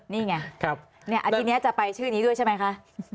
นี่ไงอาทิตย์นี้จะไปชื่อนี้ด้วยใช่ไหมคะ